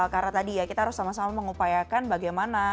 karena tadi ya kita harus sama sama